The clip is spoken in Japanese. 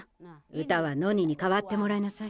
歌はノニにかわってもらいなさい。